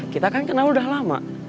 kita kan kenal udah lama